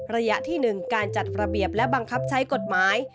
ระยะที่๑การจัดระเบียบและบังคับใช้กฎหมาย